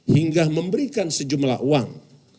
hingga memberikan sejumlah uang